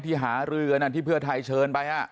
หารือกันที่เพื่อไทยเชิญไป